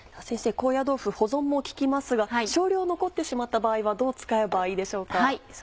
高野豆腐保存も利きますが少量残ってしまった場合はどう使えばいいでしょうか？